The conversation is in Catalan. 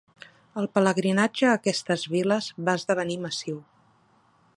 El pelegrinatge a aquestes viles va esdevenir massiu.